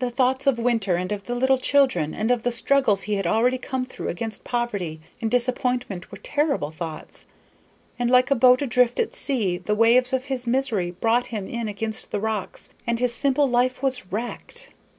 The thoughts of winter, and of the little children, and of the struggles he had already come through against poverty and disappointment were terrible thoughts; and like a boat adrift at sea, the waves of his misery brought him in against the rocks, and his simple life was wrecked."